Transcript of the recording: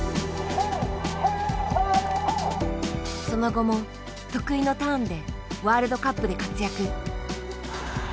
その後も得意のターンでワールドカップで活躍。